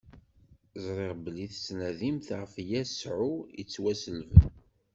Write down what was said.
Ẓriɣ belli tettnadimt ɣef Yasuɛ ittwaṣellben.